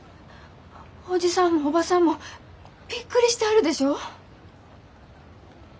おじさんもおばさんもびっくりしてはるでしょう？